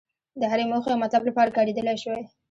د هرې موخې او مطلب لپاره کارېدلای شوای.